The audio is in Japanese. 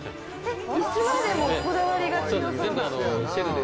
椅子までもこだわりが強そうな。